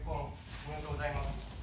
ありがとうございます。